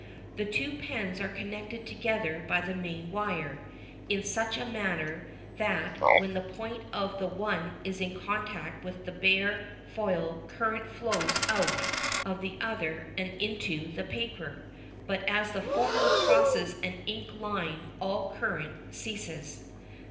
The two pens are connected together by the main wire, in such a manner that, when the point of the one is in contact with the bare foil current flows out of the other and into the paper; but as the former crosses an ink line all current ceases.